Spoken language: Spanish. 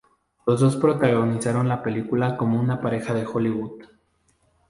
Los dos protagonizaron la película como una pareja de Hollywood.